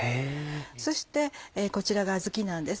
そしてこちらがあずきなんです。